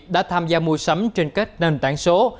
đã tham gia mua sắm trên các nền tảng số